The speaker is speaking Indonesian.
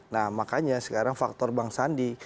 nah makanya sekarang faktor bang sandi